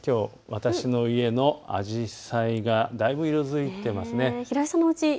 私の家のあじさいがだいぶ色づいています。